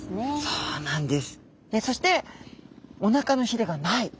そうなんです！